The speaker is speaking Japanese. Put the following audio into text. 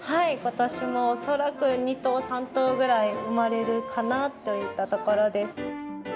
今年もおそらく２頭３頭ぐらい生まれるかなといったところです。